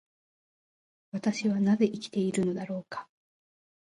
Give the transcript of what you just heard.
私はなぜ生きているのだろうか。